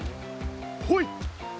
ほい。